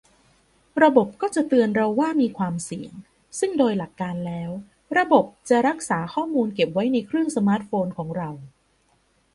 ระบบก็จะเตือนเราว่ามีความเสี่ยง ซึ่งโดยหลักการแล้วระบบจะรักษาข้อมูลเก็บไว้ในเครื่องสมาร์ทโฟนของเรา